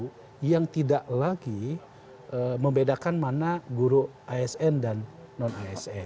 jadi biasanya kita harus memperbaiki sesuatu yang tidak lagi membedakan mana guru asn dan non asn